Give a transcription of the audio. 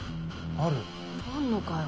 あんのかよ。